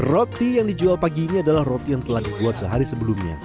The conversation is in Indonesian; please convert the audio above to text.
roti yang dijual paginya adalah roti yang telah dibuat sehari sebelumnya